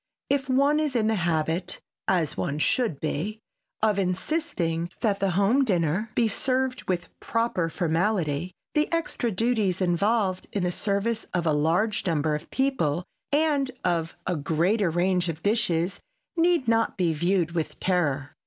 If one is in the habit, as one should be, of insisting that the home dinner be served with proper formality, the extra duties involved in the service of a larger number of people and of a greater range of dishes need not be viewed with terror.